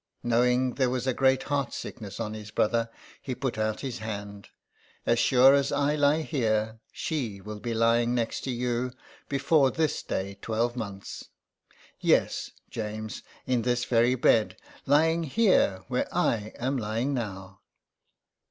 Knowing there was a great heart sickness on his brother, he put out his hand. " As sure as I lie here she will be lying next you before this day twelvemonths. Yes, James, in this very bed, lying here where I am lying now.''